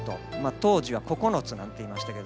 当時は九つなんて言いましたけど。